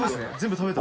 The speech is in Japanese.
食べた？